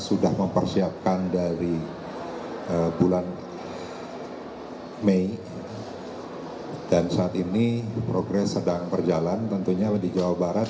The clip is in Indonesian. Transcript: sudah mempersiapkan dari bulan mei dan saat ini progres sedang berjalan tentunya di jawa barat